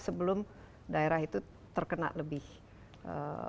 sebelum daerah itu terkena lebih banyak